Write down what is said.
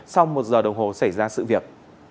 sau một giờ đồng hồ xảy ra sự việc